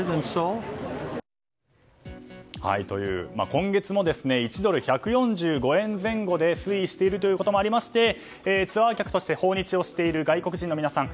今月も１ドル＝１４５円前後で推移しているということもありましてツアー客として訪日している外国人の皆さん